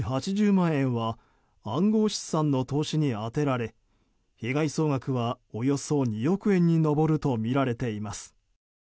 ８０万円は暗号資産の投資に充てられ被害総額はおよそ２億円に上るとみられています。